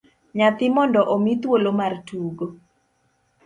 Nyathi mondo omi thuolo mar tugo